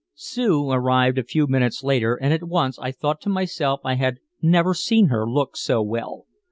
Sue arrived a few minutes later, and at once I thought to myself I had never seen her look so well.